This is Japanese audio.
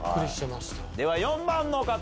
では４番の方。